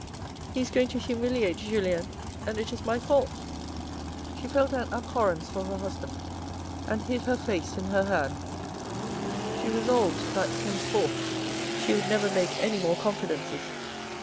He is going to humiliate Julien, and it is my fault ! She felt an abhorrence for her husband and hid her face in her hands. She resolved that henceforth she would never make any more confidences.